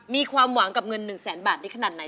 มีความหวังกับเงิน๑แสนบาทได้ขนาดไหน